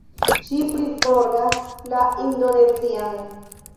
Ŝi prizorgas la Indonezian